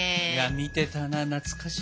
見てたな懐かしい。